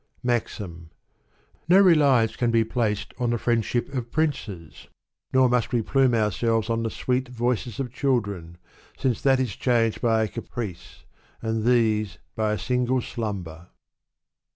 MAMIM. No reliance can be placed on the friendship of princes, nor must we plume ourselves on the sweet voices of children^ since that is changed by a caprice^ and these by a single slumber.